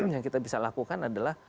yang kita bisa lakukan adalah